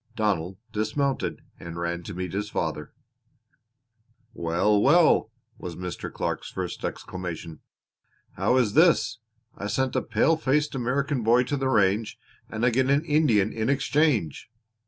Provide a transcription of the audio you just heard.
Donald dismounted and ran to meet his father. "Well, well!" was Mr. Clark's first exclamation. "How is this? I sent a pale faced American boy to the range and I get an Indian in exchange!"